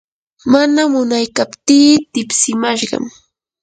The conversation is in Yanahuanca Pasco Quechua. mana munaykaptii tipsimashqam.